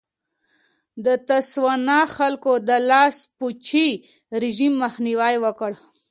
د تسوانا خلکو د لاسپوڅي رژیم مخنیوی وکړ.